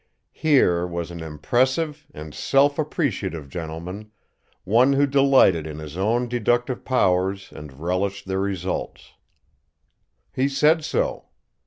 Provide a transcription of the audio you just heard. Here was an impressive and self appreciative gentleman, one who delighted in his own deductive powers and relished their results. He said so.